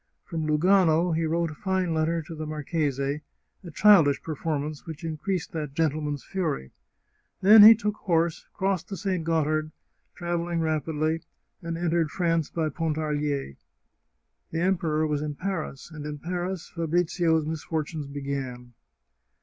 From Lugano he wrote a fine letter to the marchese, a childish performance which increased that gentleman's fury. Then he took horse, crossed the St. Gothard, trav elled rapidly, and entered France by Pontarlier. The Em peror was in Paris, and in Paris Fabrizio's misfortunes began.